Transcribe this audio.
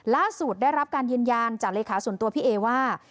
ได้รับการยืนยันจากเลขาส่วนตัวพี่เอว่า